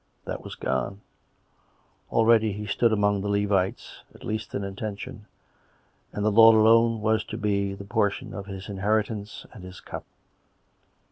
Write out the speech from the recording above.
That was gone. Already he stood among the Levites, at least in intention ; and the Lord alone was to be the portion of his inheritance and his Cup.